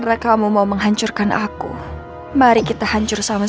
saya akan cari buktinya